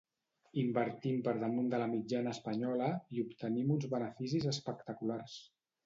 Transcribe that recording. Invertim per damunt de la mitjana espanyola, i obtenim uns beneficis espectaculars.